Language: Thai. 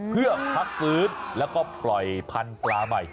เพื่อพักฟื้นแล้วก็ปล่อยพันธุ์ปลาใหม่